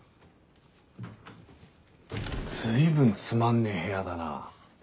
随分つまんねぇ部屋だな。